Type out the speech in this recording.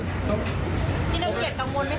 พี่หนึ่งเป็นอย่างไรบ้างครับพี่